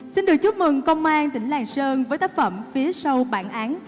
xin được chúc mừng công an tỉnh làng sơn với tác phẩm phía sau bản án